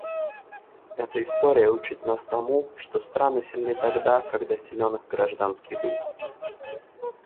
Эта история учит нас тому, что страны сильны тогда, когда силен их гражданский дух.